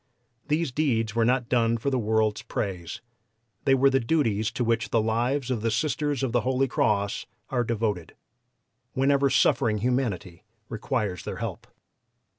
These deeds were not done for the world's praise; they were the duties to which the lives of the Sisters of the Holy Cross are devoted, whenever suffering humanity requires their help.